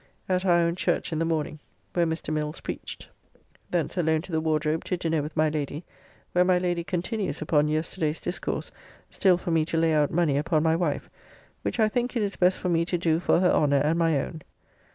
At our own church in the morning, where Mr. Mills preached. Thence alone to the Wardrobe to dinner with my Lady, where my Lady continues upon yesterday's discourse still for me to lay out money upon my wife, which I think it is best for me to do for her honour and my own.